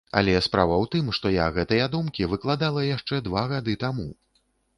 Але справа ў тым, што я гэтыя думкі выкладала яшчэ два гады таму.